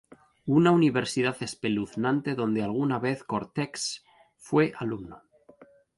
Una universidad espeluznante donde alguna vez, Cortex fue alumno.